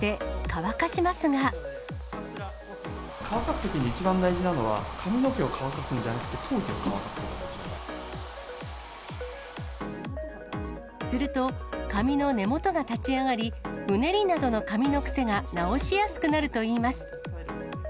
乾かすときに一番大事なのは、髪の毛を乾かすんじゃなくて、すると、髪の根元が立ち上がり、うねりなどの髪の癖が直しやすくなるといいます。